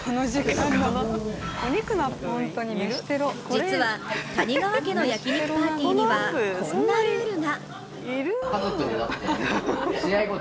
実は、谷川家の焼き肉パーティーにはこんなルールが。